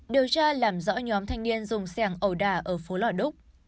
điều tra làm rõ nhóm thanh niên dùng xe ẩu đả ở phố lò đúc